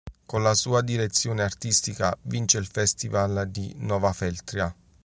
Con la sua direzione artistica vince il festival di Novafeltria.